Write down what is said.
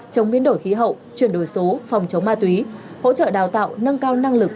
chống biến đổi khí hậu chuyển đổi số phòng chống ma túy hỗ trợ đào tạo nâng cao năng lực